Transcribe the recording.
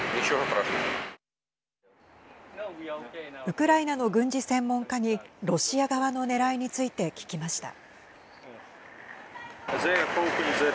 ウクライナの軍事専門家にロシア側のねらいについて聞きました。